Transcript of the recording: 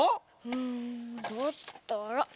うんだったら。